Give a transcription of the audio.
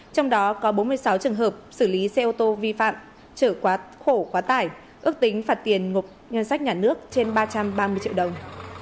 trong đó có bốn mươi sáu trường hợp xử lý xe ô tô vi phạm chở khổ quá tải ước tính phạt tiền ngục nhân sách nhà nước trên ba trăm ba mươi triệu đồng